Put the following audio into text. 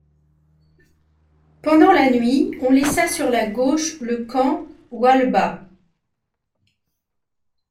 Pendant la nuit, on laissa sur la gauche le camp Walbah.